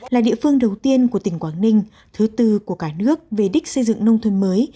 là địa phương đầu tiên của tỉnh quảng ninh thứ tư của cả nước về đích xây dựng nông thôn mới